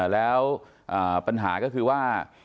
แล้วปัญหาก็คือว่า